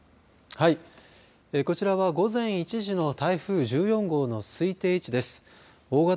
こちらは午前１時の台風１４号の推定位置です。